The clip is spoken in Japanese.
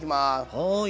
はい。